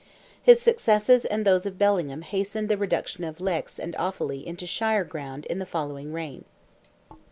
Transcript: His successes and those of Bellingham hastened the reduction of Leix and Offally into shire ground in the following reign.